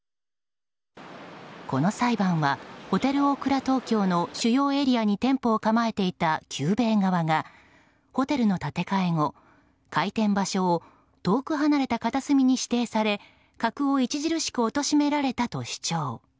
この裁判はホテルオークラ東京の主要エリアに店舗を構えていた久兵衛側がホテルの建て替え後、開店場所を遠く離れた片隅に指定され格を著しくおとしめられたと主張。